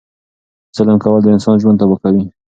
ظلم کول د انسان ژوند تبا کوي.